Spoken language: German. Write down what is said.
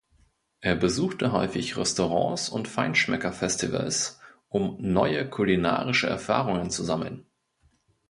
Er besuchte häufig Restaurants und Feinschmeckerfestivals, um neue kulinarische Erfahrungen zu sammeln.